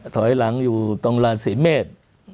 ถอยหลังอยู่ตรงราศีเมษ